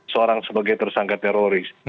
seorang sebagai tersangka teroris